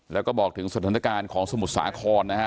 แล้วก็บอกถึงสถานการณ์ของสมุทรสาครนะฮะ